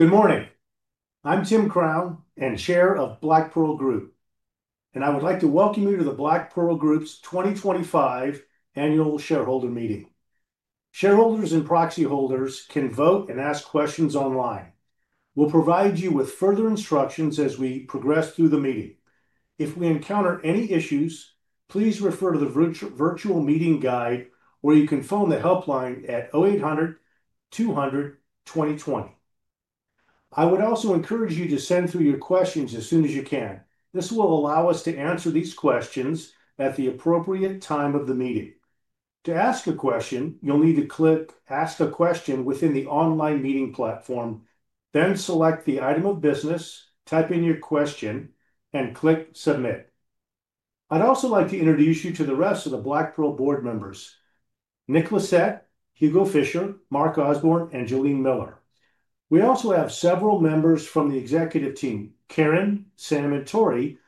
Good morning. I'm Tim Crowe, and Chair of Black Pearl Group, and I would like to welcome you to the Black Pearl Group's 2025 Annual Shareholder Meeting. Shareholders and proxy holders can vote and ask questions online. We'll provide you with further instructions as we progress through the meeting. If we encounter any issues, please refer to the virtual meeting guide, or you can phone the helpline at 0800 200 2020. I would also encourage you to send through your questions as soon as you can. This will allow us to answer these questions at the appropriate time of the meeting. To ask a question, you'll need to click "Ask a Question" within the online meeting platform, then select the item of business, type in your question, and click "Submit." I'd also like to introduce you to the rest of the Black Pearl Board members: Nick Lissette, Hugo Fisher, Mark Osborne, and Jyllene Miller. We also have several members from the executive team: Karen, Sam, and Tori.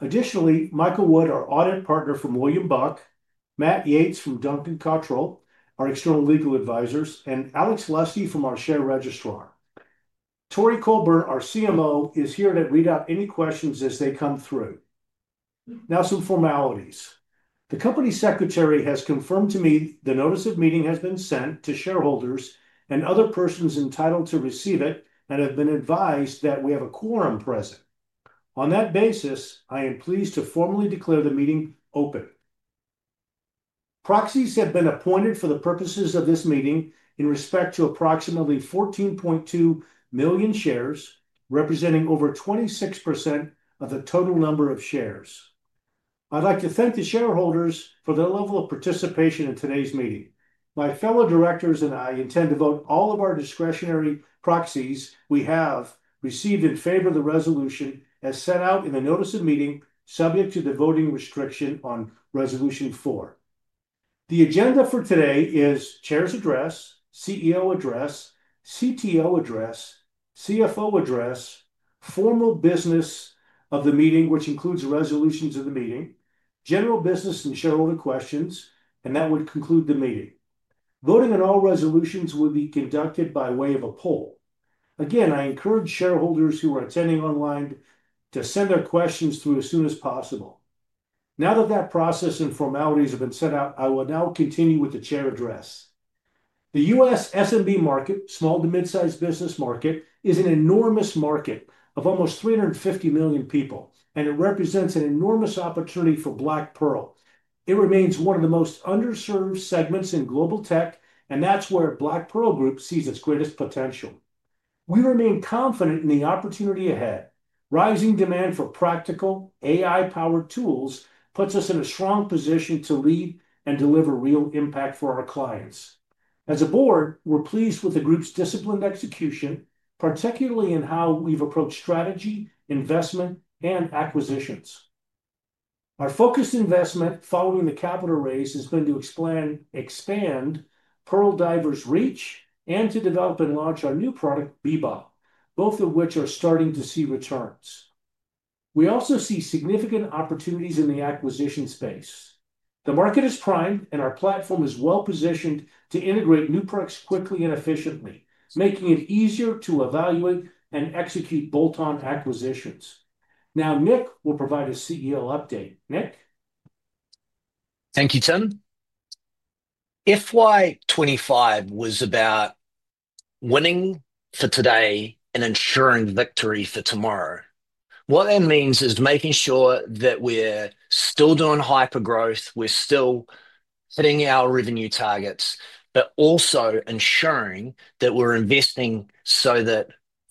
Additionally, Michael Wood, our audit partner from William Buck, Matt Yates from Duncan Cotterill, our external legal advisors, and Alex Lussi from our share registrar. Tori Colebourne, our CMO, is here to read out any questions as they come through. Now, some formalities. The Company Secretary has confirmed to me the notice of meeting has been sent to shareholders and other persons entitled to receive it and have been advised that we have a quorum present. On that basis, I am pleased to formally declare the meeting open. Proxies have been appointed for the purposes of this meeting in respect to approximately 14.2 million shares, representing over 26% of the total number of shares. I'd like to thank the shareholders for their level of participation in today's meeting. My fellow directors and I intend to vote all of our discretionary proxies we have received in favor of the resolution as set out in the notice of meeting subject to the voting restriction on Resolution 4. The agenda for today is Chair's Address, CEO Address, CTO Address, CFO Address, formal business of the meeting, which includes resolutions of the meeting, general business and shareholder questions, and that would conclude the meeting. Voting on all resolutions will be conducted by way of a poll. Again, I encourage shareholders who are attending online to send their questions through as soon as possible. Now that that process and formalities have been set out, I will now continue with the Chair Address. The U.S. SMB market, small to mid-sized business market, is an enormous market of almost 350 million people, and it represents an enormous opportunity for Black Pearl Group. It remains one of the most underserved segments in global tech, and that's where Black Pearl Group sees its greatest potential. We remain confident in the opportunity ahead. Rising demand for practical AI-powered tools puts us in a strong position to lead and deliver real impact for our clients. As a board, we're pleased with the Group's disciplined execution, particularly in how we've approached strategy, investment, and acquisitions. Our focused investment following the capital raise has been to expand Pearl Diver's reach and to develop and launch our new product, Bebop, both of which are starting to see returns. We also see significant opportunities in the acquisition space. The market is primed, and our platform is well-positioned to integrate new products quickly and efficiently, making it easier to evaluate and execute bolt-on acquisitions. Now, Nick will provide a CEO update. Nick? Thank you, Tim. FY 2025 was about winning for today and ensuring victory for tomorrow. What that means is making sure that we're still doing hypergrowth, we're still hitting our revenue targets, but also ensuring that we're investing so that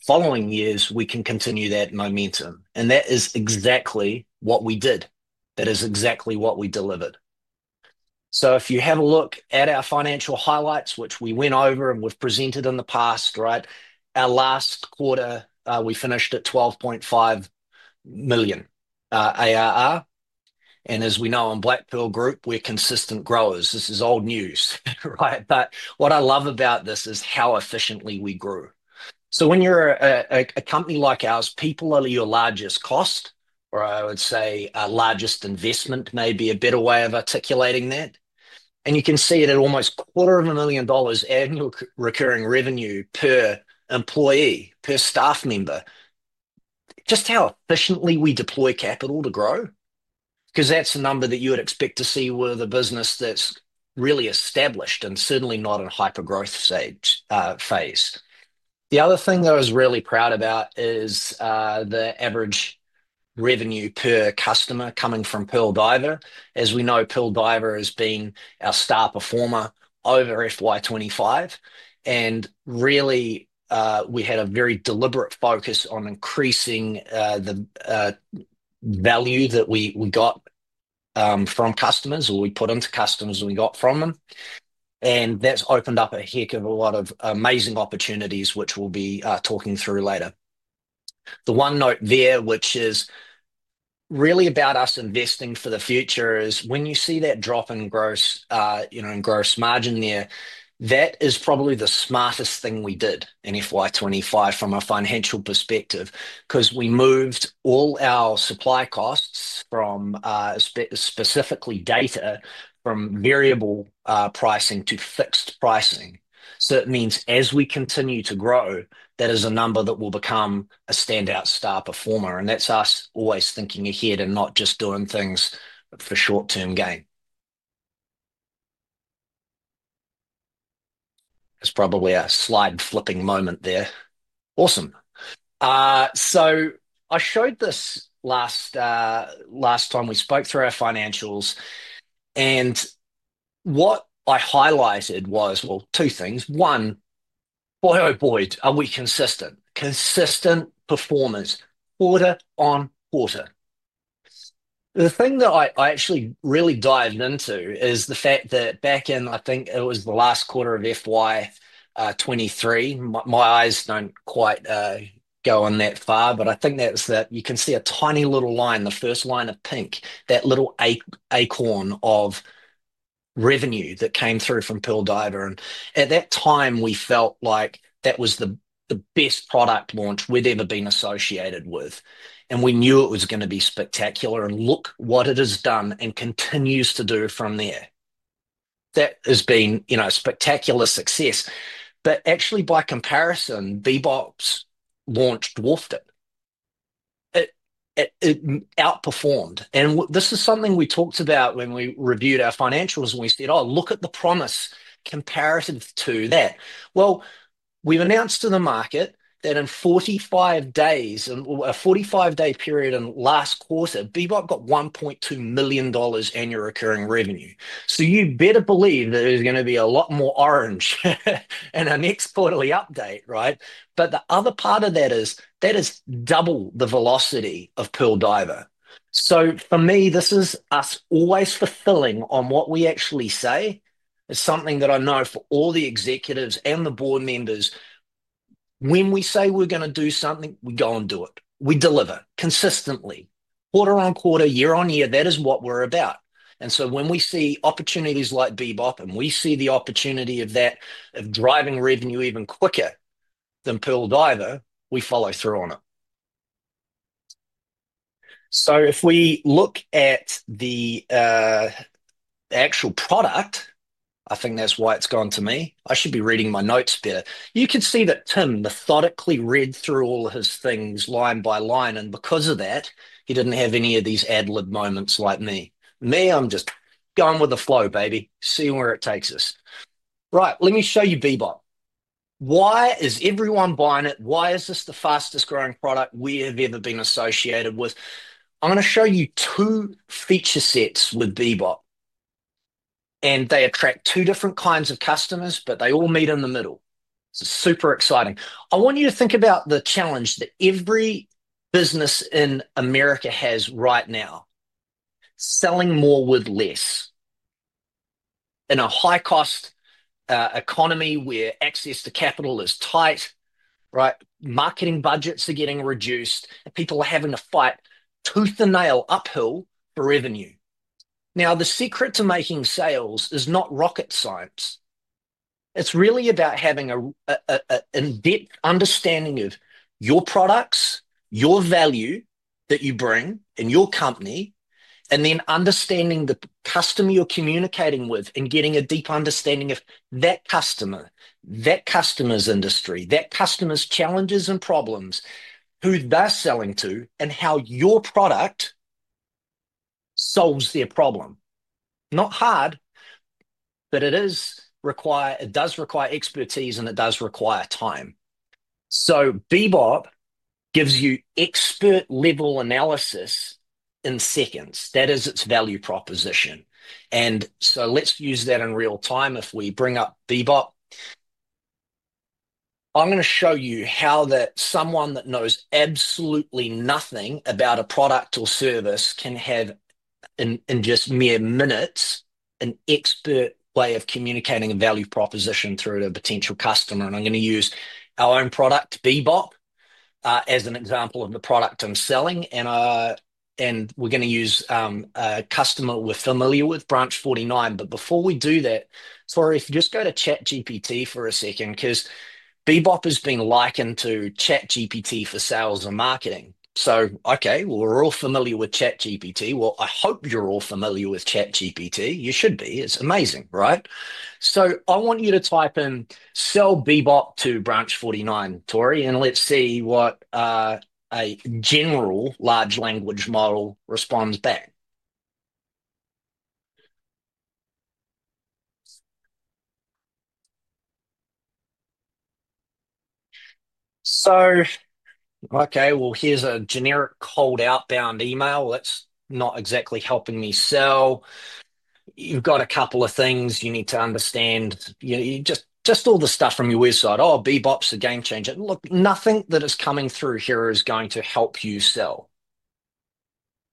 following years we can continue that momentum. That is exactly what we did. That is exactly what we delivered. If you have a look at our financial highlights, which we went over and we've presented in the past, our last quarter, we finished at $12.5 million ARR. As we know, in Black Pearl Group, we're consistent growers. This is old news, right? What I love about this is how efficiently we grew. When you're a company like ours, people are your largest cost, or I would say our largest investment may be a better way of articulating that. You can see it at almost a quarter of a million dollars annual recurring revenue per employee, per staff member. Just how efficiently we deploy capital to grow, because that's a number that you would expect to see with a business that's really established and certainly not in a hypergrowth phase. The other thing that I was really proud about is the average revenue per customer coming from Pearl Diver. As we know, Pearl Diver has been our star performer over FY 2025, and we had a very deliberate focus on increasing the value that we got from customers, or we put into customers and we got from them. That's opened up a heck of a lot of amazing opportunities, which we'll be talking through later. The one note there, which is really about us investing for the future, is when you see that drop in gross margin there, that is probably the smartest thing we did in FY 2025 from a financial perspective, because we moved all our supply costs from, specifically data, from variable pricing to fixed pricing. It means as we continue to grow, that is a number that will become a standout star performer. That's us always thinking ahead and not just doing things for short-term gain. That's probably a slide-flipping moment there. Awesome. I showed this last time we spoke through our financials, and what I highlighted was, two things. One, boy, oh boy, are we consistent. Consistent performance, quarter on quarter. The thing that I actually really dived into is the fact that back in, I think it was the last quarter of FY 2023, my eyes don't quite go in that far, but I think that's that you can see a tiny little line, the first line of pink, that little acorn of revenue that came through from Pearl Diver. At that time, we felt like that was the best product launch we'd ever been associated with. We knew it was going to be spectacular, and look what it has done and continues to do from there. That has been, you know, spectacular success. By comparison, Bebop's launch dwarfed it. It outperformed. This is something we talked about when we reviewed our financials, and we said, oh, look at the promise comparative to that. We've announced to the market that in 45 days, a 45-day period in the last quarter, Bebop got $1.2 million annual recurring revenue. You better believe there's going to be a lot more orange in our next quarterly update, right? The other part of that is that is double the velocity of Pearl Diver. For me, this is us always fulfilling on what we actually say is something that I know for all the executives and the board members. When we say we're going to do something, we go and do it. We deliver consistently, quarter on quarter, year on year. That is what we're about. When we see opportunities like Bebop and we see the opportunity of that, of driving revenue even quicker than Pearl Diver, we follow through on it. If we look at the actual product, I think that's why it's gone to me. I should be reading my notes better. You could see that Tim methodically read through all of his things line by line, and because of that, he didn't have any of these ad lib moments like me. Me, I'm just going with the flow, baby. See where it takes us. Right, let me show you Bebop. Why is everyone buying it? Why is this the fastest growing product we have ever been associated with? I'm going to show you two feature sets with Bebop. They attract two different kinds of customers, but they all meet in the middle. It's super exciting. I want you to think about the challenge that every business in America has right now: selling more with less. In a high-cost economy where access to capital is tight, marketing budgets are getting reduced, and people are having to fight tooth and nail uphill for revenue. The secret to making sales is not rocket science. It's really about having an in-depth understanding of your products, your value that you bring in your company, and then understanding the customer you're communicating with and getting a deep understanding of that customer, that customer's industry, that customer's challenges and problems, who they're selling to, and how your product solves their problem. Not hard, but it does require expertise, and it does require time. Bebop gives you expert, liberal analysis in seconds. That is its value proposition. Let's use that in real time if we bring up Bebop. I'm going to show you how someone that knows absolutely nothing about a product or service can have, in just mere minutes, an expert way of communicating a value proposition through a potential customer. I'm going to use our own product, Bebop, as an example of the product I'm selling. We're going to use a customer we're familiar with, Branch 49. Before we do that, Tori, if you just go to ChatGPT for a second, because Bebop has been likened to ChatGPT for sales and marketing. We're all familiar with ChatGPT. I hope you're all familiar with ChatGPT. You should be. It's amazing, right? I want you to type in "Sell Bebop to Branch 49," Tori, and let's see what a general large language model responds back. Here's a generic cold outbound email. It's not exactly helping me sell. You've got a couple of things you need to understand. You just fill the stuff from your website. Oh, Bebop's a game changer. Look, nothing that is coming through here is going to help you sell.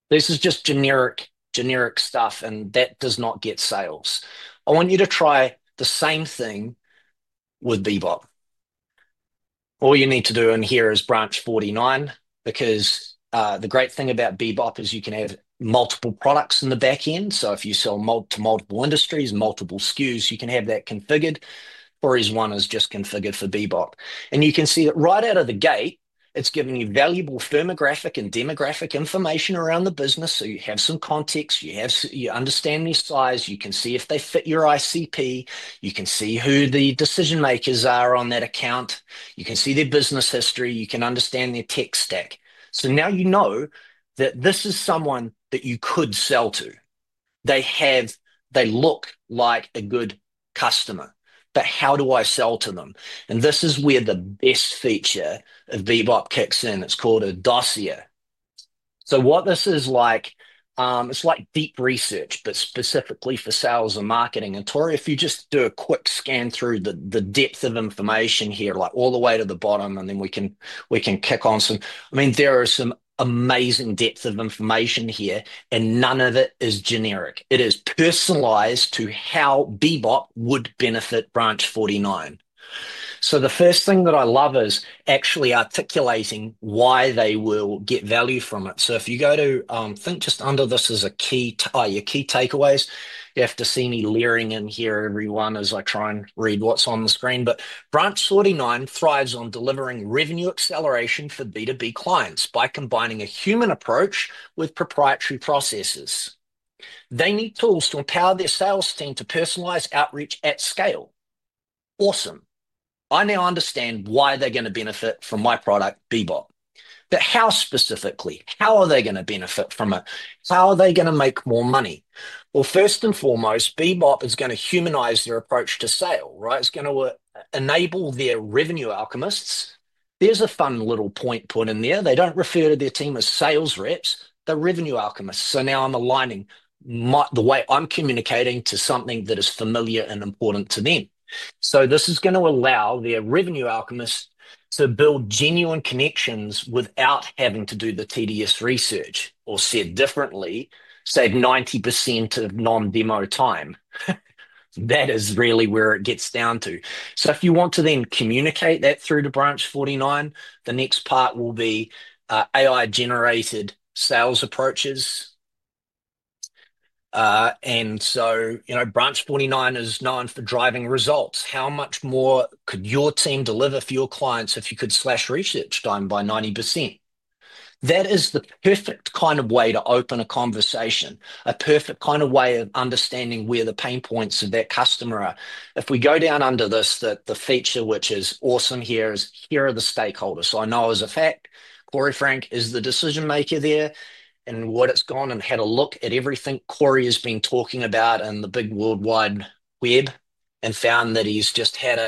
This is just generic, generic stuff, and that does not get sales. I want you to try the same thing with Bebop. All you need to do in here is Branch 49, because the great thing about Bebop is you can have multiple products in the back end. If you sell to multiple industries, multiple SKUs, you can have that configured, or as one is just configured for Bebop. You can see that right out of the gate, it's giving you valuable thermographic and demographic information around the business. You have some context, you understand their size, you can see if they fit your ICP, you can see who the decision makers are on that account, you can see their business history, you can understand their tech stack. Now you know that this is someone that you could sell to. They look like a good customer. How do I sell to them? This is where the best feature of Bebop kicks in. It's called a dossier. What this is like, it's like deep research, but specifically for sales and marketing. Tori, if you just do a quick scan through the depth of information here, all the way to the bottom, then we can kick on some. There are some amazing depths of information here, and none of it is generic. It is personalized to how Bebop would benefit Branch 49. The first thing that I love is actually articulating why they will get value from it. If you go to, I think just under this is a key, oh, your key takeaways. You have to see me leering in here, everyone, as I try and read what's on the screen. Branch 49 thrives on delivering revenue acceleration for B2B clients by combining a human approach with proprietary processes. They need tools to empower their sales team to personalize outreach at scale. Awesome. I now understand why they're going to benefit from my product, Bebop. How specifically? How are they going to benefit from it? How are they going to make more money? First and foremost, Bebop is going to humanize their approach to sale, right? It's going to enable their revenue alchemists. There's a fun little point put in there. They don't refer to their team as sales reps. They're revenue alchemists. Now I'm aligning the way I'm communicating to something that is familiar and important to them. This is going to allow their revenue alchemists to build genuine connections without having to do the tedious research. Or said differently, save 90% of non-demo time. That is really where it gets down to. If you want to then communicate that through to Branch 49, the next part will be AI-generated sales approaches. Branch 49 is known for driving results. How much more could your team deliver for your clients if you could slash research down by 90%? That is the perfect kind of way to open a conversation, a perfect kind of way of understanding where the pain points of that customer are. If we go down under this, the feature which is awesome here is here are the stakeholders. I know as a fact, Cory Frank is the decision maker there, and what it's gone and had a look at everything Cory has been talking about in the big worldwide web and found that he's just had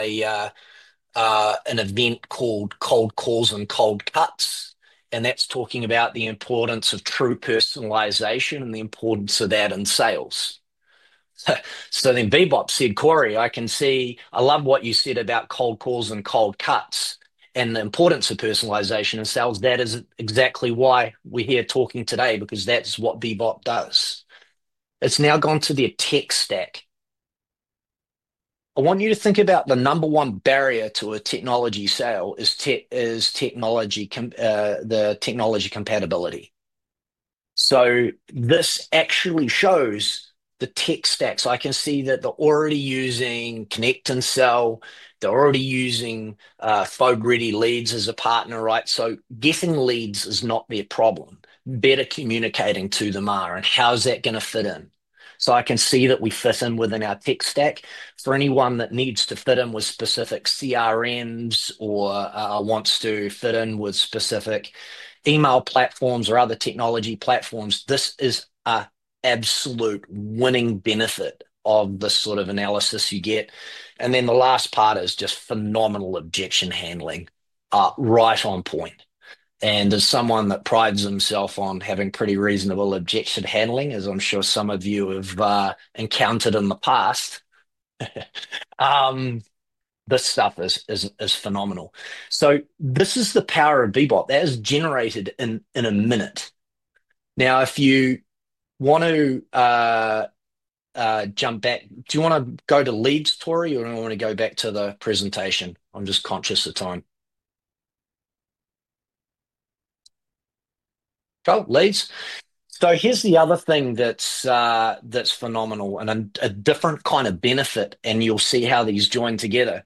an event called Cold Calls and Cold Cuts. That's talking about the importance of true personalization and the importance of that in sales. Bebop said, "Cory, I can see, I love what you said about cold calls and cold cuts and the importance of personalization in sales. That is exactly why we're here talking today, because that's what Bebop does." It's now gone to their tech stack. I want you to think about the number one barrier to a technology sale is technology, the technology compatibility. This actually shows the tech stack. I can see that they're already using Connect and Sell. They're already using FogReady Leads as a partner, right? Getting leads is not their problem. Better communicating to them is, and how is that going to fit in? I can see that we fit in within our tech stack. For anyone that needs to fit in with specific CRMs or wants to fit in with specific email platforms or other technology platforms, this is an absolute winning benefit of this sort of analysis you get. The last part is just phenomenal objection handling, right on point. As someone that prides themselves on having pretty reasonable objection handling, as I'm sure some of you have encountered in the past, this stuff is phenomenal. This is the power of Bebop. That is generated in a minute. If you want to jump back, do you want to go to leads, Tori, or do you want to go back to the presentation? I'm just conscious of time. Go, leads. Here's the other thing that's phenomenal and a different kind of benefit, and you'll see how these join together.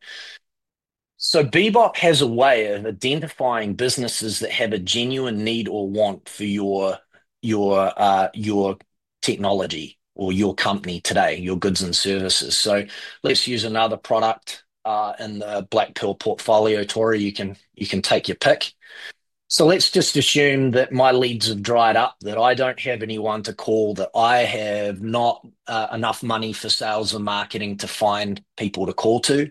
Bebop has a way of identifying businesses that have a genuine need or want for your technology or your company today, your goods and services. Let's use another product in the Black Pearl portfolio, Tori. You can take your pick. Let's just assume that my leads have dried up, that I don't have anyone to call, that I have not enough money for sales and marketing to find people to call to.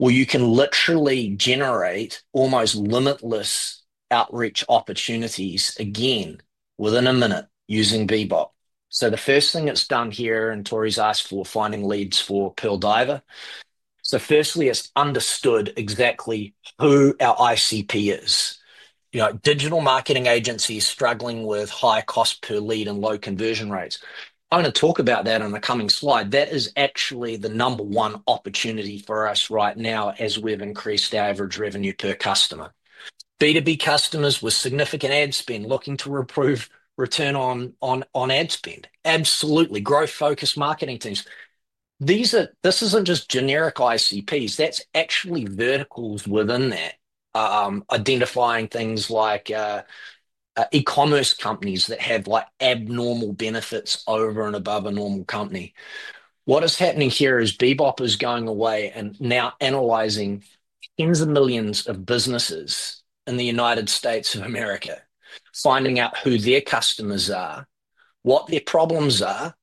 You can literally generate almost limitless outreach opportunities again within a minute using Bebop. The first thing it's done here, and Tori's asked for finding leads for Pearl Diver. Firstly, it's understood exactly who our ICP is. You know, digital marketing agencies struggling with high cost per lead and low conversion rates. I'm going to talk about that in the coming slide. That is actually the number one opportunity for us right now as we've increased our average revenue per customer. B2B customers with significant ad spend looking to improve return on ad spend. Absolutely. Growth-focused marketing teams. These are, this isn't just generic ICPs. That's actually verticals within that, identifying things like e-commerce companies that have abnormal benefits over and above a normal company. What is happening here is Bebop is going away and now analyzing tens of millions of businesses in the U.S., finding out who their customers are, what their problems are,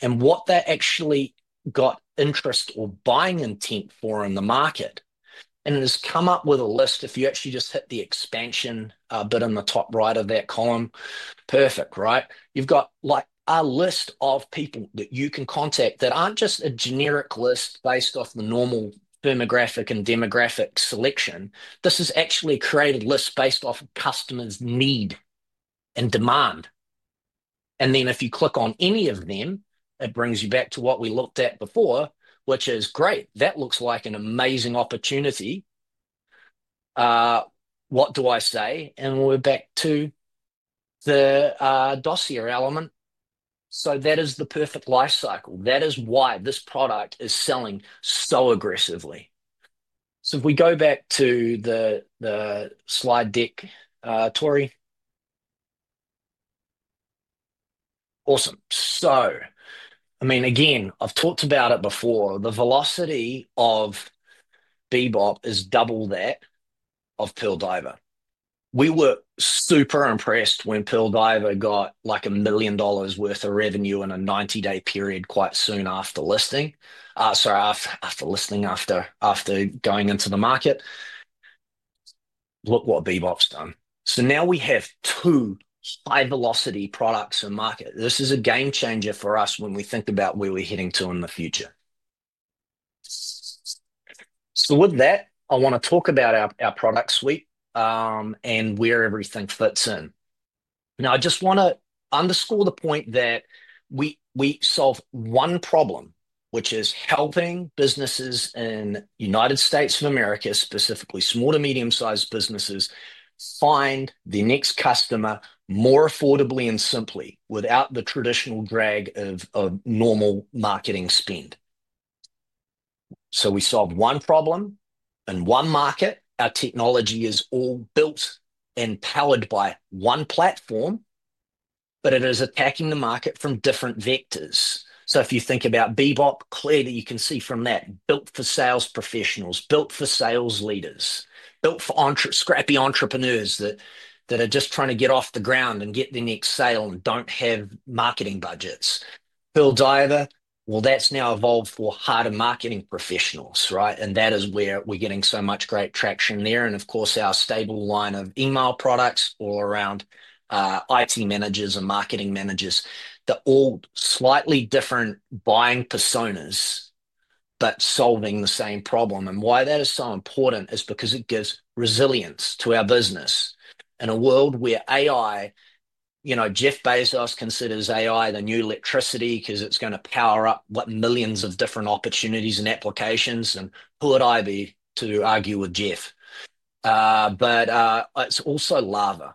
and what they actually got interest or buying intent for in the market. It has come up with a list. If you actually just hit the expansion a bit on the top right of that column, perfect, right? You've got a list of people that you can contact that aren't just a generic list based off the normal thermographic and demographic selection. This is actually creating a list based off customers' need and demand. If you click on any of them, it brings you back to what we looked at before, which is great. That looks like an amazing opportunity. What do I say? We're back to the dossier element. That is the perfect lifecycle. That is why this product is selling so aggressively. If we go back to the slide deck, Tori. Awesome. I mean, again, I've talked about it before. The velocity of Bebop is double that of Pearl Diver. We were super impressed when Pearl Diver got like $1 million worth of revenue in a 90-day period quite soon after going into the market. Look what Bebop's done. Now we have two high-velocity products in the market. This is a game changer for us when we think about where we're heading to in the future. With that, I want to talk about our product suite and where everything fits in. I just want to underscore the point that we solve one problem, which is helping businesses in the U.S., specifically small to medium-sized businesses, find their next customer more affordably and simply without the traditional drag of normal marketing spend. We solve one problem in one market. Our technology is all built and powered by one platform, but it is attacking the market from different vectors. If you think about Bebop, clearly you can see from that built for sales professionals, built for sales leaders, built for scrappy entrepreneurs that are just trying to get off the ground and get their next sale and don't have marketing budgets. Pearl Diver, that's now evolved for harder marketing professionals, right? That is where we're getting so much great traction there. Of course, our stable line of email products all around IT managers and marketing managers that are all slightly different buying personas but solving the same problem. That is so important because it gives resilience to our business in a world where AI, you know, Jeff Bezos considers AI the new electricity because it's going to power up, what, millions of different opportunities and applications. Who would I be to argue with Jeff? It's also lava.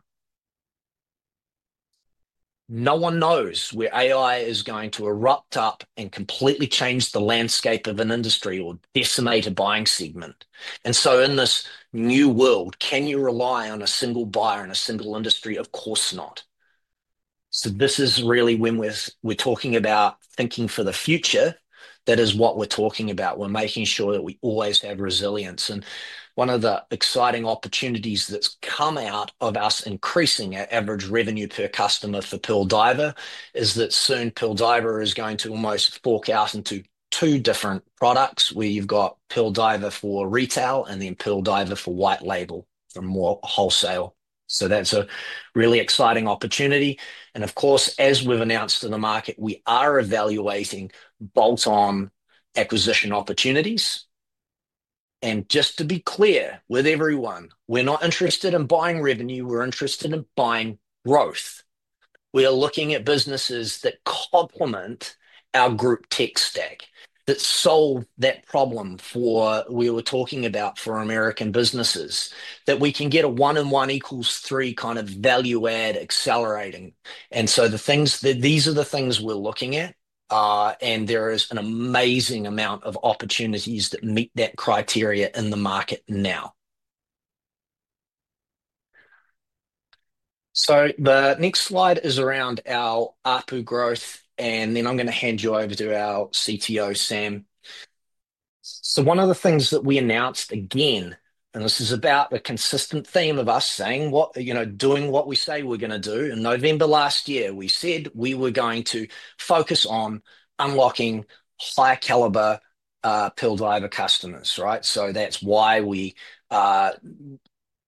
No one knows where AI is going to erupt up and completely change the landscape of an industry or decimate a buying segment. In this new world, can you rely on a single buyer in a single industry? Of course not. This is really when we're talking about thinking for the future. That is what we're talking about. We're making sure that we always have resilience. One of the exciting opportunities that's come out of us increasing our average revenue per customer for Pearl Diver is that soon Pearl Diver is going to almost fork out into two different products where you've got Pearl Diver for retail and then Pearl Diver for white label for more wholesale. That's a really exciting opportunity. As we've announced to the market, we are evaluating bolt-on acquisition opportunities. Just to be clear with everyone, we're not interested in buying revenue. We're interested in buying growth. We are looking at businesses that complement our group tech stack that solve that problem we were talking about for American businesses that we can get a one-on-one equals three kind of value add accelerating. These are the things we're looking at, and there is an amazing amount of opportunities that meet that criteria in the market now. The next slide is around our ARPU growth, and then I'm going to hand you over to our CTO, Sam. One of the things that we announced again, and this is about the consistent theme of us saying what, you know, doing what we say we're going to do. In November last year, we said we were going to focus on unlocking high-caliber Pearl Diver customers, right? That's why we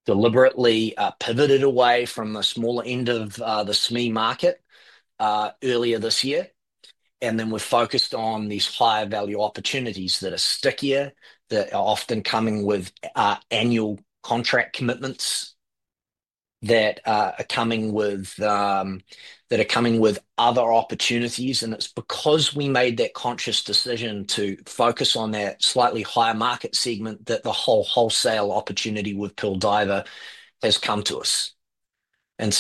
deliberately pivoted away from the smaller end of the SME market earlier this year. We're focused on these higher value opportunities that are stickier, that are often coming with annual contract commitments, that are coming with other opportunities. It is because we made that conscious decision to focus on that slightly higher market segment that the whole wholesale opportunity with Pearl Diver has come to us. It is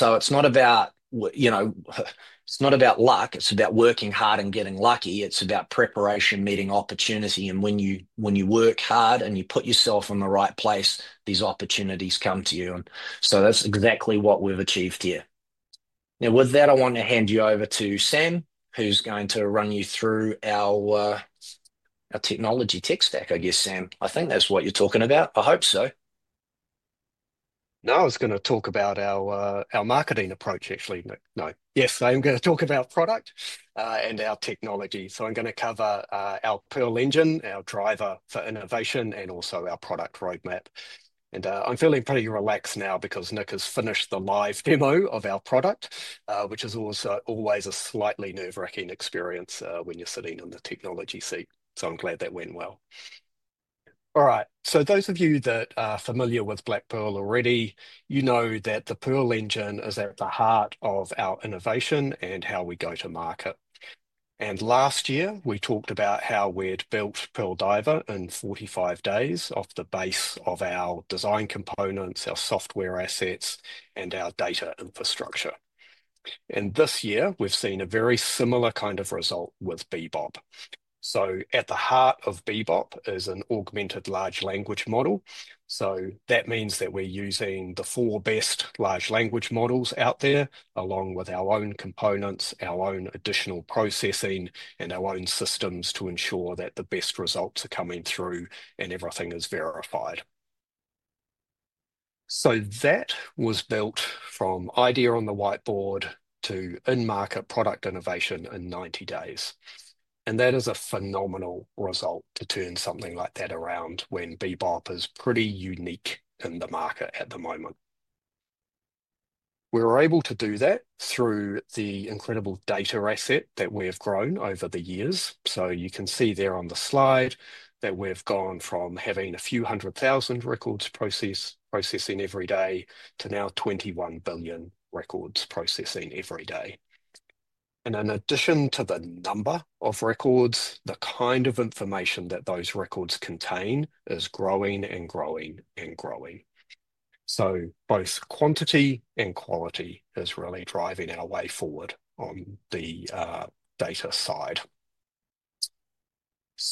not about luck. It is about working hard and getting lucky. It is about preparation meeting opportunity. When you work hard and you put yourself in the right place, these opportunities come to you. That is exactly what we have achieved here. Now, with that, I want to hand you over to Sam, who is going to run you through our technology tech stack, I guess, Sam. I think that is what you are talking about. I hope so. No, I was going to talk about our marketing approach, actually. No, yes, I am going to talk about product and our technology. I am going to cover our Pearl Engine, our driver for innovation, and also our product roadmap. I am feeling pretty relaxed now because Nick has finished the live demo of our product, which is always a slightly nerve-wracking experience when you are sitting in the technology seat. I am glad that went well. Those of you that are familiar with Black Pearl already know that the Pearl Engine is at the heart of our innovation and how we go to market. Last year, we talked about how we had built Pearl Diver in 45 days off the base of our design components, our software assets, and our data infrastructure. This year, we have seen a very similar kind of result with Bebop. At the heart of Bebop is an augmented large language model. That means that we are using the four best large language models out there, along with our own components, our own additional processing, and our own systems to ensure that the best results are coming through and everything is verified. That was built from idea on the whiteboard to in-market product innovation in 90 days. That is a phenomenal result to turn something like that around when Bebop is pretty unique in the market at the moment. We were able to do that through the incredible data asset that we have grown over the years. You can see there on the slide that we have gone from having a few hundred thousand records processed every day to now 21 billion records processing every day. In addition to the number of records, the kind of information that those records contain is growing and growing and growing. Both quantity and quality are really driving our way forward on the data side.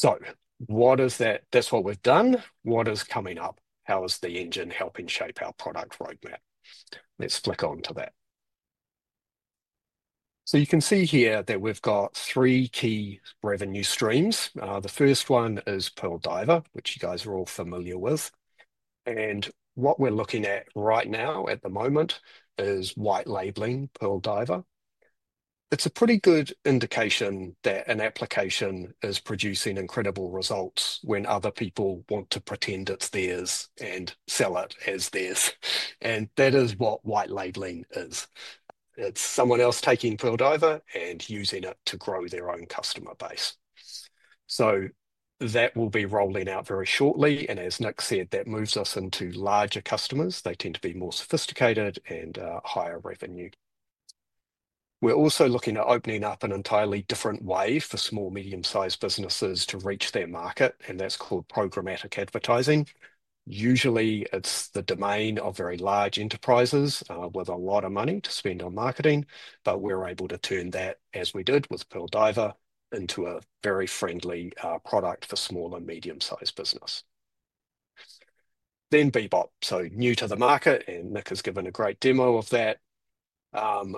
That is what we have done. What is coming up? How is the engine helping shape our product roadmap? Let's flick on to that. You can see here that we've got three key revenue streams. The first one is Pearl Diver, which you guys are all familiar with. What we're looking at right now at the moment is white labeling Pearl Diver. It's a pretty good indication that an application is producing incredible results when other people want to pretend it's theirs and sell it as theirs. That is what white labeling is. It's someone else taking Pearl Diver and using it to grow their own customer base. That will be rolling out very shortly. As Nick said, that moves us into larger customers. They tend to be more sophisticated and higher revenue. We're also looking at opening up an entirely different way for small, medium-sized businesses to reach their market, and that's called programmatic advertising. Usually, it's the domain of very large enterprises with a lot of money to spend on marketing, but we're able to turn that, as we did with Pearl Diver, into a very friendly product for small and medium-sized business. Then Bebop, so new to the market, and Nick has given a great demo of that.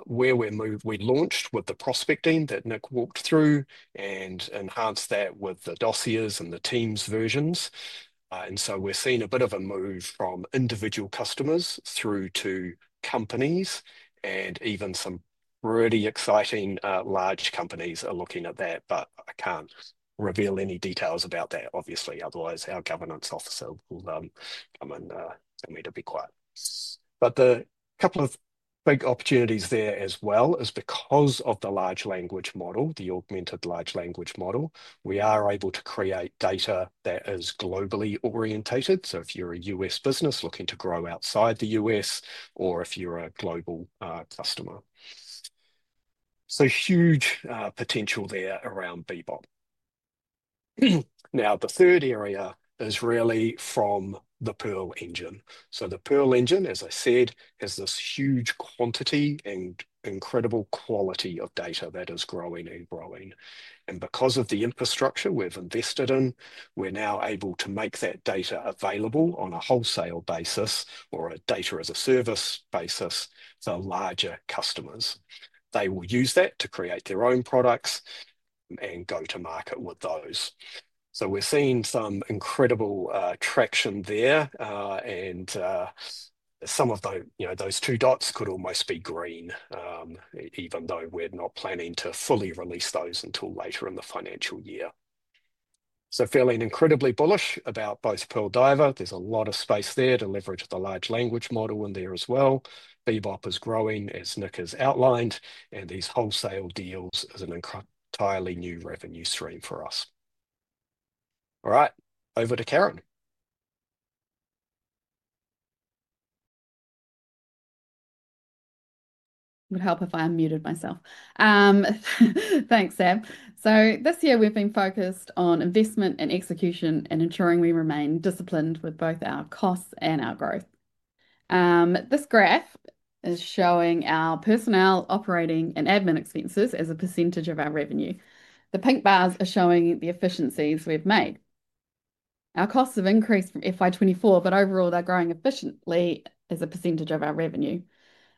Where we've moved, we launched with the prospecting that Nick walked through and enhanced that with the dossiers and the Teams versions. We're seeing a bit of a move from individual customers through to companies, and even some pretty exciting large companies are looking at that, but I can't reveal any details about that, obviously. Otherwise, our governance officer will come in and need to be quiet. The couple of big opportunities there as well is because of the large language model, the augmented large language model, we are able to create data that is globally orientated. If you're a U.S. business looking to grow outside the U.S., or if you're a global customer. Huge potential there around Bebop. Now, the third area is really from the Pearl Engine. The Pearl Engine, as I said, has this huge quantity and incredible quality of data that is growing and growing. Because of the infrastructure we've invested in, we're now able to make that data available on a wholesale basis or a data as a service basis for larger customers. They will use that to create their own products and go to market with those. We're seeing some incredible traction there, and some of those two dots could almost be green, even though we're not planning to fully release those until later in the financial year. Feeling incredibly bullish about both Pearl Diver. There's a lot of space there to leverage the large language model in there as well. Bebop is growing, as Nick has outlined, and these wholesale deals are an entirely new revenue stream for us. All right, over to Karen. Would help if I unmuted myself. Thanks, Sam. This year we've been focused on investment and execution and ensuring we remain disciplined with both our costs and our growth. This graph is showing our personnel, operating, and admin expenses as a percentage of our revenue. The pink bars are showing the efficiencies we've made. Our costs have increased from FY 2024, but overall they're growing efficiently as a percentage of our revenue.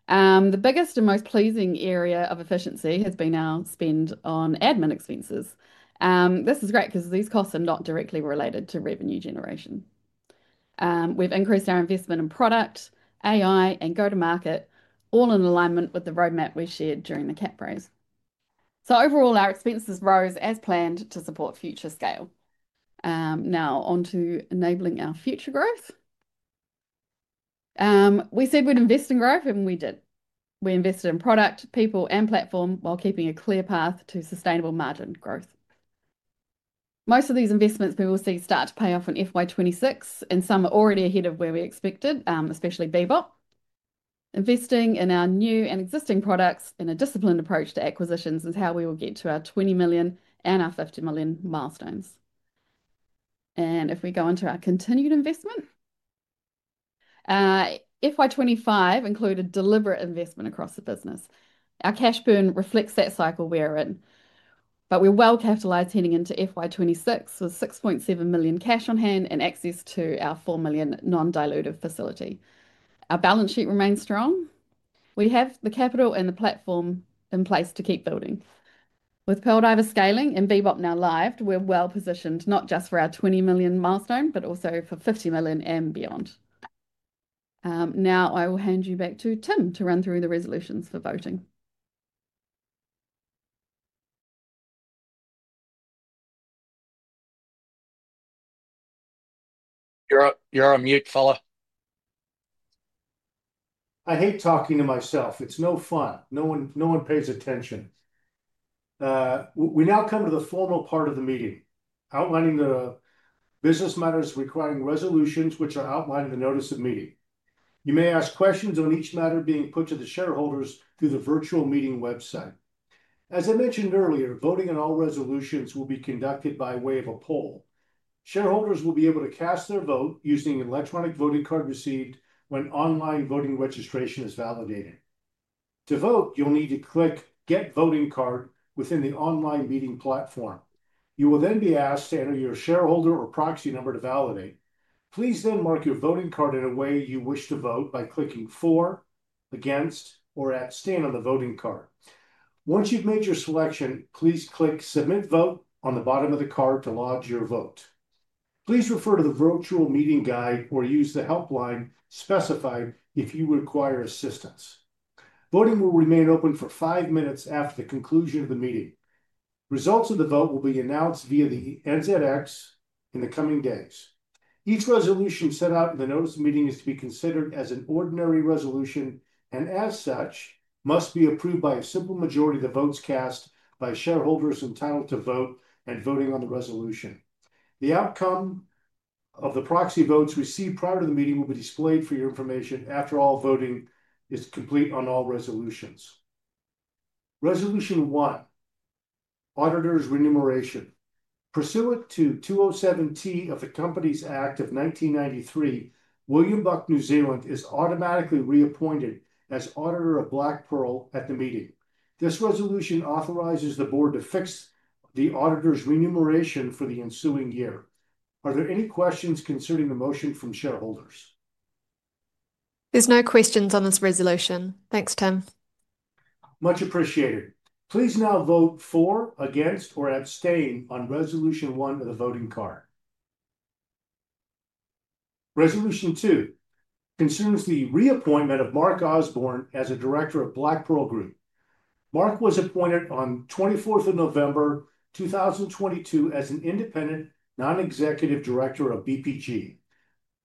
The biggest and most pleasing area of efficiency has been our spend on admin expenses. This is great because these costs are not directly related to revenue generation. We've increased our investment in product, AI, and go-to-market, all in alignment with the roadmap we shared during the Capraise. Overall, our expenses rose as planned to support future scale. Now, onto enabling our future growth. We said we'd invest in growth, and we did. We invested in product, people, and platform while keeping a clear path to sustainable margin growth. Most of these investments we will see start to pay off in FY 2026, and some are already ahead of where we expected, especially Bebop. Investing in our new and existing products in a disciplined approach to acquisitions is how we will get to our $20 million and our $50 million milestones. If we go into our continued investment, FY 2025 included deliberate investment across the business. Our cash burn reflects that cycle we're in. We're well capitalized heading into FY 2026, with $6.7 million cash on hand and access to our $4 million non-dilutive facility. Our balance sheet remains strong. We have the capital and the platform in place to keep building. With Pearl Diver scaling and Bebop now live, we're well-positioned not just for our $20 million milestone, but also for $50 million and beyond. Now, I will hand you back to Tim to run through the resolutions for voting. You're on mute, fella. I hate talking to myself. It's no fun. No one pays attention. We now come to the formal part of the meeting, outlining the business matters requiring resolutions, which are outlined in the notice of meeting. You may ask questions on each matter being put to the shareholders through the virtual meeting website. As I mentioned earlier, voting in all resolutions will be conducted by way of a poll. Shareholders will be able to cast their vote using an electronic voting card received when online voting registration is validated. To vote, you'll need to click "Get Voting Card" within the online meeting platform. You will then be asked to enter your shareholder or proxy number to validate. Please then mark your voting card in a way you wish to vote by clicking "For," "Against," or "Stand" on the voting card. Once you've made your selection, please click "Submit Vote" on the bottom of the card to lodge your vote. Please refer to the virtual meeting guide or use the helpline specified if you require assistance. Voting will remain open for five minutes after the conclusion of the meeting. Results of the vote will be announced via the NZX in the coming days. Each resolution set out in the notice of meeting is to be considered as an ordinary resolution and, as such, must be approved by a simple majority of the votes cast by shareholders entitled to vote and voting on the resolution. The outcome of the proxy votes received prior to the meeting will be displayed for your information after all voting is complete on all resolutions. Resolution one, Auditors' Remuneration. Pursuant to 207(t) of the Companies Act of 1993, William Buck, New Zealand, is automatically reappointed as Auditor of Black Pearl at the meeting. This resolution authorizes the board to fix the auditors' remuneration for the ensuing year. Are there any questions concerning the motion from shareholders? There's no questions on this resolution. Thanks, Tim. Much appreciated. Please now vote for, against, or abstain on Resolution one of the voting card. Resolution two concerns the reappointment of Mark Osborne as a Director of Black Pearl Group. Mark was appointed on 24th of November, 2022 as an independent, non-executive Director of BPG.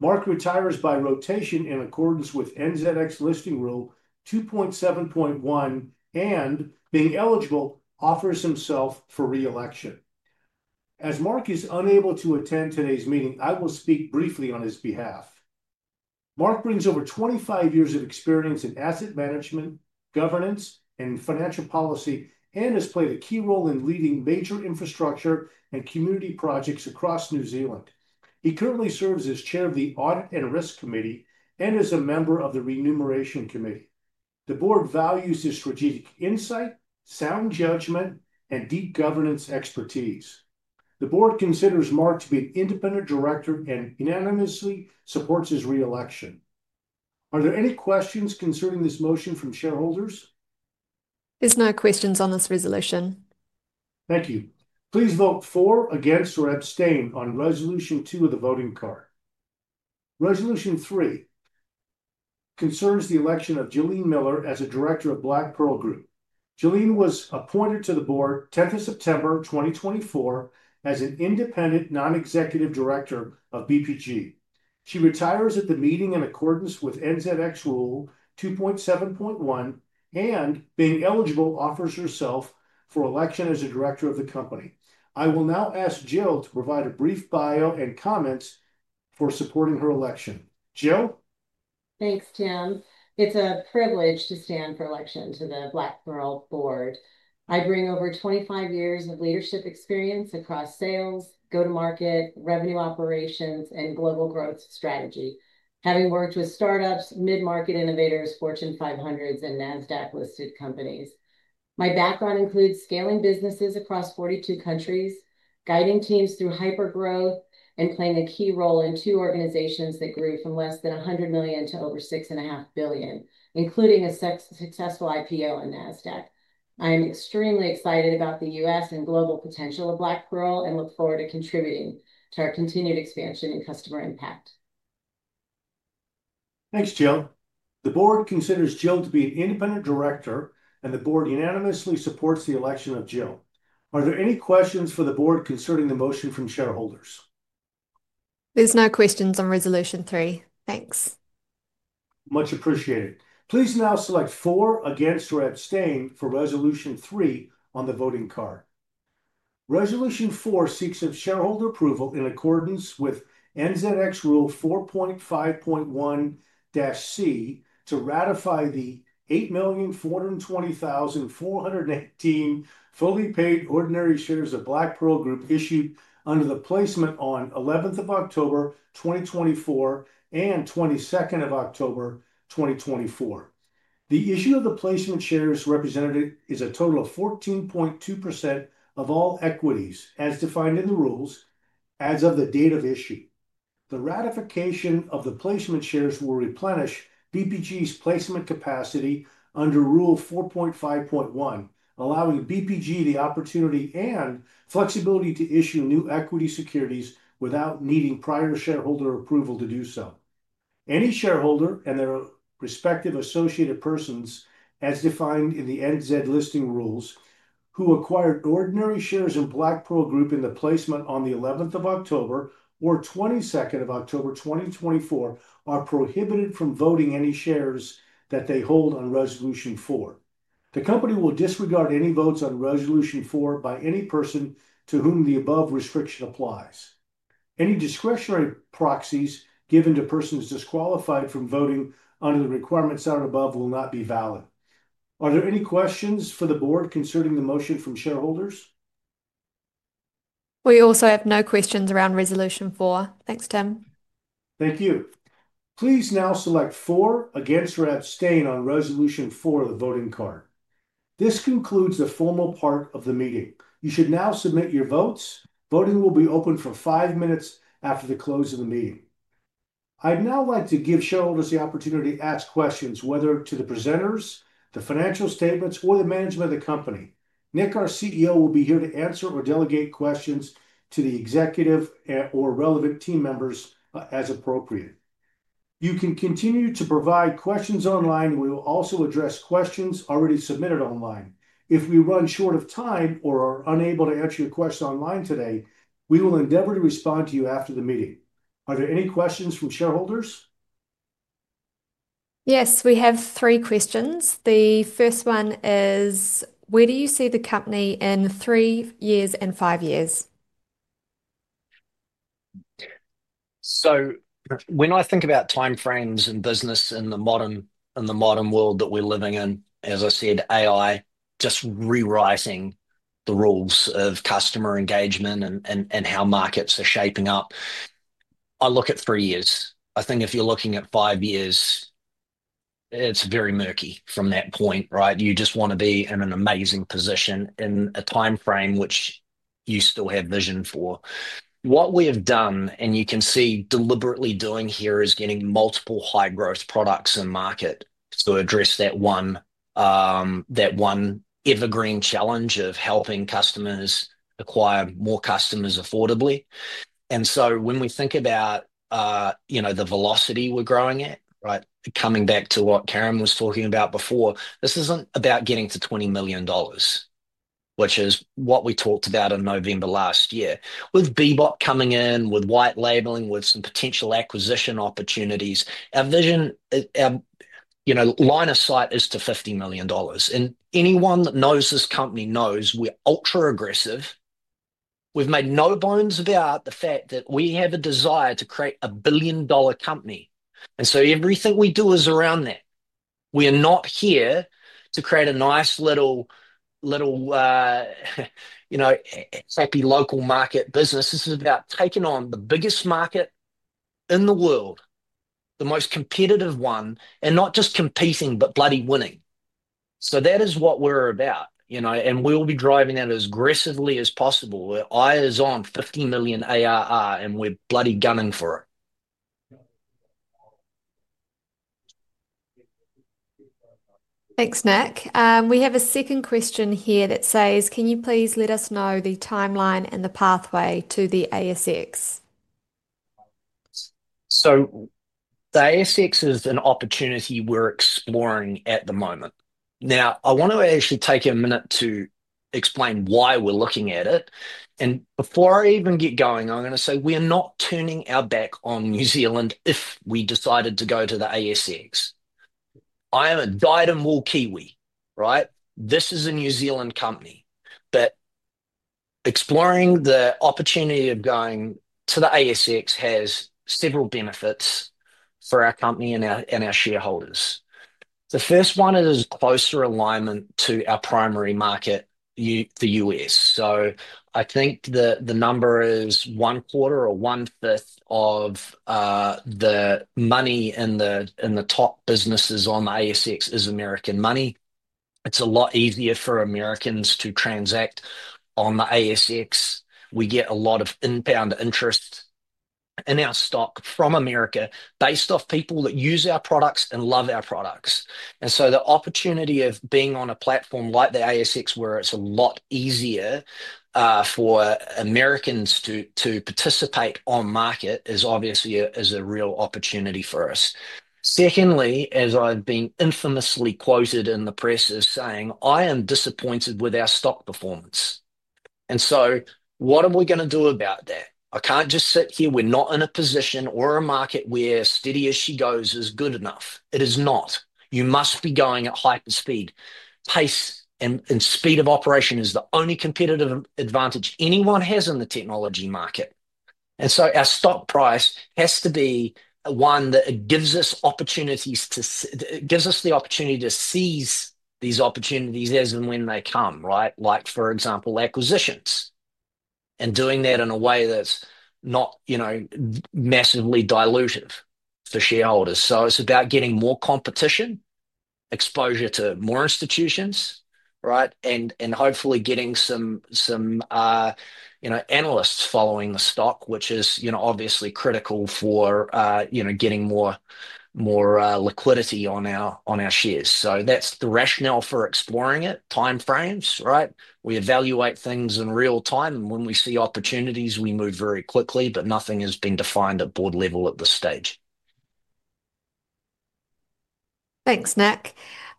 Mark retires by rotation in accordance with NZX listing rule 2.7.1 and, being eligible, offers himself for reelection. As Mark is unable to attend today's meeting, I will speak briefly on his behalf. Mark brings over 25 years of experience in asset management, governance, and financial policy, and has played a key role in leading major infrastructure and community projects across New Zealand. He currently serves as Chair of the Audit and Risk Committee and is a member of the Remuneration Committee. The board values his strategic insight, sound judgment, and deep governance expertise. The board considers Mark to be an independent director and unanimously supports his reelection. Are there any questions concerning this motion from shareholders? are no questions on this resolution. Thank you. Please vote for, against, or abstain on Resolution two of the voting card. Resolution three concerns the election of Jyllene Miller as a Director of Black Pearl Group. Jyllene was appointed to the board 10th of September, 2024, as an independent, non-executive Director of BPG. She retires at the meeting in accordance with NZX rule 2.7.1 and, being eligible, offers herself for election as a Director of the company. I will now ask Jyll to provide a brief bio and comment for supporting her election. Jyll? Thanks, Tim. It's a privilege to stand for elections within a Black Pearl board. I bring over 25 years of leadership experience across sales, go-to-market, revenue operations, and global growth strategy, having worked with startups, mid-market innovators, Fortune 500s, and NASDAQ-listed companies. My background includes scaling businesses across 42 countries, guiding teams through hypergrowth, and playing a key role in two organizations that grew from less than $100 million to over $6.5 billion, including a successful IPO in NASDAQ. I'm extremely excited about the U.S. and global potential of Black Pearl and look forward to contributing to our continued expansion and customer impact. Thanks, Jyll. The board considers Jyll to be an independent director, and the board unanimously supports the election of Jyll. Are there any questions for the board concerning the motion from shareholders? There's no questions on Resolution three. Thanks. Much appreciated. Please now select for, against, or abstain for Resolution three on the voting card. Resolution four seeks shareholder approval in accordance with NZX rule 4.5.1-C to ratify the 8,420,418 fully paid ordinary shares of Black Pearl Group issued under the placement on October 11, 2024 and October 22, 2024. The issue of the placement shares represented a total of 14.2% of all equities, as defined in the rules as of the date of issue. The ratification of the placement shares will replenish BPG's placement capacity under rule 4.5.1, allowing BPG the opportunity and flexibility to issue new equity securities without needing prior shareholder approval to do so. Any shareholder and their respective associated persons, as defined in the NZX listing rules, who acquired ordinary shares in Black Pearl Group in the placement on October 11 or October 22, 2024, are prohibited from voting any shares that they hold on Resolution four. The company will disregard any votes on Resolution four by any person to whom the above restriction applies. Any discretionary proxies given to persons disqualified from voting under the requirements set out above will not be valid. Are there any questions for the board concerning the motion from shareholders? We also have no questions around Resolution four. Thanks, Tim. Thank you. Please now select for, against, or abstain on Resolution four of the voting card. This concludes the formal part of the meeting. You should now submit your votes. Voting will be open for five minutes after the close of the meeting. I'd now like to give shareholders the opportunity to ask questions, whether to the presenters, the financial statements, or the management of the company. Nick, our CEO, will be here to answer or delegate questions to the executive or relevant team members as appropriate. You can continue to provide questions online. We will also address questions already submitted online. If we run short of time or are unable to answer your questions online today, we will endeavor to respond to you after the meeting. Are there any questions from shareholders? Yes, we have three questions. The first one is, where do you see the company in three years and five years? When I think about timeframes and business in the modern world that we're living in, as I said, AI is just rewriting the rules of customer engagement and how markets are shaping up. I look at three years. I think if you're looking at five years, it's very murky from that point, right? You just want to be in an amazing position in a timeframe which you still have vision for. What we have done, and you can see deliberately doing here, is getting multiple high-growth products in the market to address that one evergreen challenge of helping customers acquire more customers affordably. When we think about the velocity we're growing at, coming back to what Karen was talking about before, this isn't about getting to $20 million, which is what we talked about in November last year. With Bebop coming in, with white-labeling, with some potential acquisition opportunities, our vision, our line of sight is to $50 million. Anyone that knows this company knows we're ultra aggressive. We've made no bones about the fact that we have a desire to create a billion-dollar company. Everything we do is around that. We are not here to create a nice little, happy local market business. This is about taking on the biggest market in the world, the most competitive one, and not just competing, but bloody winning. That is what we're about, and we'll be driving that as aggressively as possible. We're eyes on $50 million ARR, and we're bloody gunning for it. Thanks, Nick. We have a second question here that says, can you please let us know the timeline and the pathway to the ASX? The ASX is an opportunity we're exploring at the moment. I want to actually take a minute to explain why we're looking at it. Before I even get going, I'm going to say we are not turning our back on New Zealand if we decided to go to the ASX. I am a dyed-in-wool Kiwi, right? This is a New Zealand company, but exploring the opportunity of going to the ASX has several benefits for our company and our shareholders. The first one is closer alignment to our primary market, the U.S. I think the number is one quarter or one fifth of the money in the top businesses on the ASX is American money. It's a lot easier for Americans to transact on the ASX. We get a lot of inbound interest in our stock from America based off people that use our products and love our products. The opportunity of being on a platform like the ASX, where it's a lot easier for Americans to participate on market, is obviously a real opportunity for us. Secondly, as I've been infamously quoted in the press as saying, I am disappointed with our stock performance. What are we going to do about that? I can't just sit here. We're not in a position or a market where steady issue goes is good enough. It is not. You must be going at hyperspeed. Pace and speed of operation is the only competitive advantage anyone has in the technology market. Our stock price has to be one that gives us opportunities to, gives us the opportunity to seize these opportunities as and when they come, right? For example, acquisitions and doing that in a way that's not, you know, massively dilutive for shareholders. It's about getting more competition, exposure to more institutions, right? Hopefully getting some, you know, analysts following the stock, which is, you know, obviously critical for, you know, getting more, more liquidity on our shares. That's the rationale for exploring it. Timeframes, right? We evaluate things in real time, and when we see opportunities, we move very quickly, but nothing has been defined at board level at this stage. Thanks, Nick.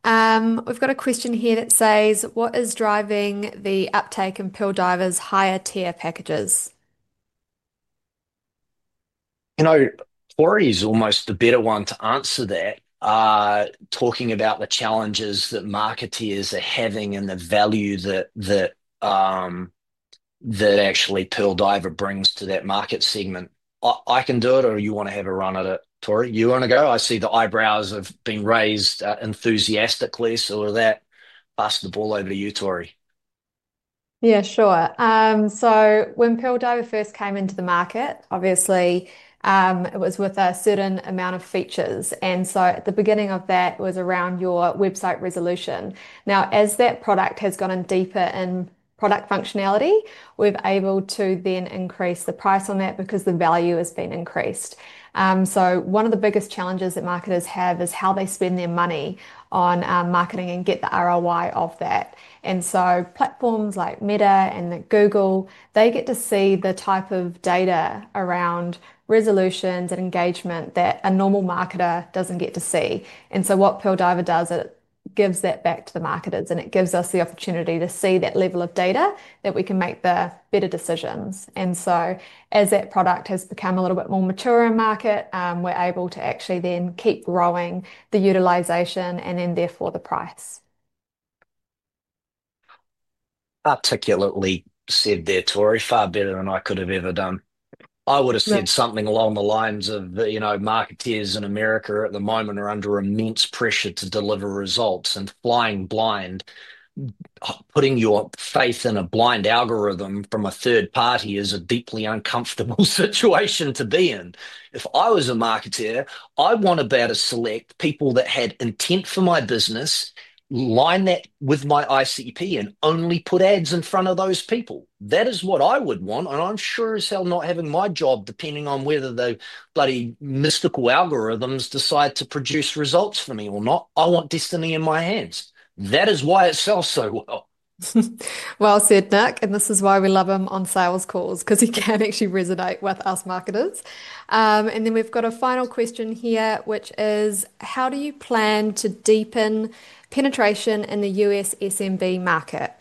We've got a question here that says, what is driving the uptake in Pearl Diver's higher tier packages? You know, Tori is almost the better one to answer that, talking about the challenges that marketers are having and the value that actually Pearl Diver brings to that market segment. I can do it, or you want to have a run at it? Tori, you want to go? I see the eyebrows have been raised enthusiastically, so with that, pass the ball over to you, Tori. Yeah, sure. When Pearl Diver first came into the market, it was with a certain amount of features. At the beginning, that was around your website resolution. As that product has gotten deeper in product functionality, we've been able to increase the price on that because the value has been increased. One of the biggest challenges that marketers have is how they spend their money on marketing and get the ROI of that. Platforms like Meta and Google get to see the type of data around resolutions and engagement that a normal marketer doesn't get to see. What Pearl Diver does is it gives that back to the marketers, and it gives us the opportunity to see that level of data that we can make the better decisions. As that product has become a little bit more mature in market, we're able to actually keep growing the utilization and therefore the price. Articulately said there, Tori, far better than I could have ever done. I would have said something along the lines of that, you know, marketers in the U.S. at the moment are under immense pressure to deliver results and flying blind. Putting your faith in a blind algorithm from a third party is a deeply uncomfortable situation to be in. If I was a marketer, I'd want to be able to select people that had intent for my business, line that with my ICP, and only put ads in front of those people. That is what I would want, and I'm sure as hell not having my job depending on whether the bloody mystical algorithms decide to produce results for me or not. I want destiny in my hands. That is why it sells so well. Nick, this is why we love him on sales calls, because he can actually resonate with us marketers. We've got a final question here, which is, how do you plan to deepen penetration in the U.S. SMB market?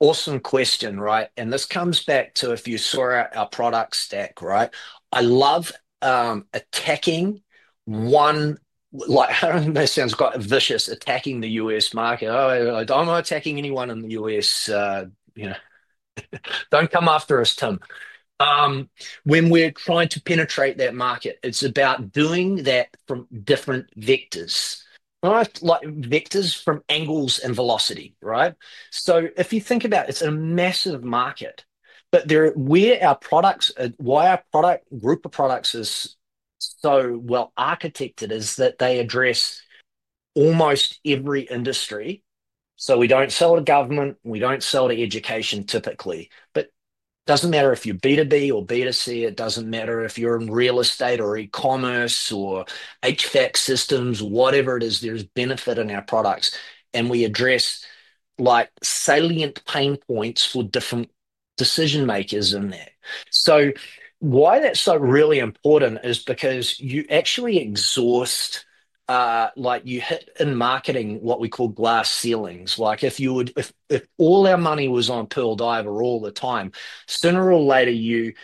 Awesome question, right? This comes back to if you saw our product stack, right? I love attacking one, like, I don't know, it sounds quite vicious, attacking the U.S. market. Oh, I don't know, attacking anyone in the U.S., you know, don't come after us, Tim. When we're trying to penetrate that market, it's about doing that from different vectors, right? Vectors from angles and velocity, right? If you think about it, it's a massive market, but where our products, why our product group of products is so well architected is that they address almost every industry. We don't sell to government, we don't sell to education typically, but it doesn't matter if you're B2B or B2C, it doesn't matter if you're in real estate or e-commerce or HVAC systems, whatever it is, there's benefit in our products. We address salient pain points for different decision makers in there. Why that's so really important is because you actually exhaust, like you hit in marketing what we call glass ceilings. If all our money was on Pearl Diver all the time, sooner or later you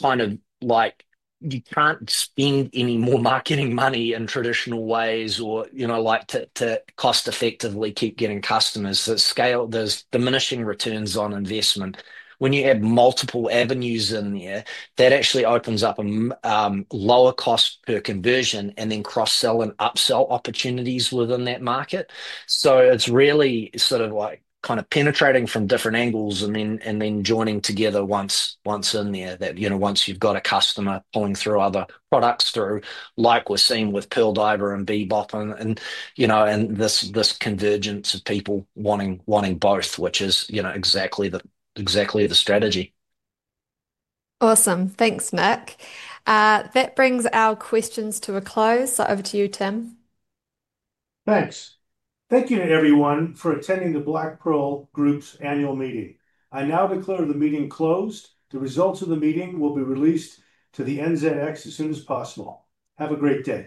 kind of like, you can't spend any more marketing money in traditional ways or, you know, to cost effectively keep getting customers. Scale, there's diminishing returns on investment. When you have multiple avenues in there, that actually opens up a lower cost per conversion and then cross-sell and upsell opportunities within that market. It's really sort of like kind of penetrating from different angles and then joining together once in there that, you know, once you've got a customer pulling through other products through, like we're seeing with Pearl Diver and Bebop and this convergence of people wanting both, which is exactly the strategy. Awesome. Thanks, Nick. That brings our questions to a close. Over to you, Tim. Thanks. Thank you to everyone for attending the Black Pearl Group's annual meeting. I now declare the meeting closed. The results of the meeting will be released to the NZX as soon as possible. Have a great day.